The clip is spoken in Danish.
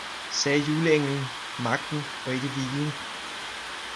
sagde juleenglen, magten og ikke hvilen!